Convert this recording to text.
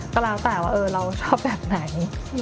ก็แล้วแต่ว่าเราชอบแบบไหน